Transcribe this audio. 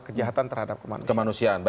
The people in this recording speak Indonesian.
kejahatan terhadap kemanusiaan